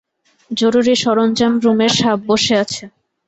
জরুরী সরঞ্জাম রুমে সাপ বসে আছে।